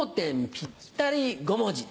ぴったり５文字。